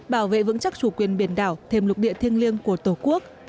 bảo vệ vững chắc chủ quyền biển đảo thêm lục địa thiêng liêng của tổ quốc